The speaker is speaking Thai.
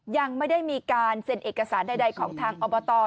ยังไม่ได้มีการเซ็นเอกสารใดของทางอบต